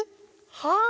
はあ！